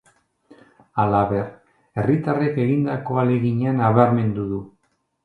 Halaber, herritarrek egindako ahalegina nabarmendu du.